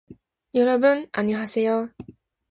여러분안녕하세요